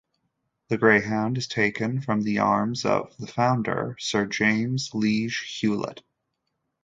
The greyhound is taken from the arms of the Founder, Sir James Liege Hulett.